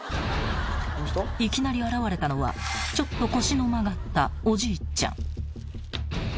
［いきなり現れたのはちょっと腰の曲がったおじいちゃん］